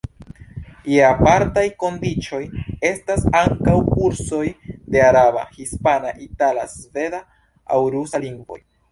Je apartaj kondiĉoj, estas ankaŭ kursoj de araba, hispana, itala, sveda aŭ rusa lingvoj.